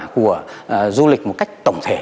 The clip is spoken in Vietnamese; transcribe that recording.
của du lịch một cách tổng thể